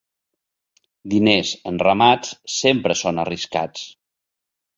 Diners en ramats sempre són arriscats.